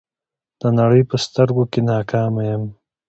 د نړۍ په سترګو کې ناکامه یم.